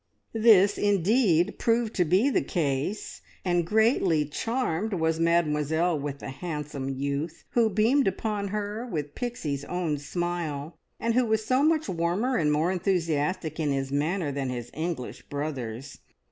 This, indeed, proved to be the case, and greatly charmed was Mademoiselle with the handsome youth, who beamed upon her with Pixie's own smile, and who was so much warmer and more enthusiastic in his manner than his English brothers.